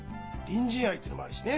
隣人愛ってのもあるしね。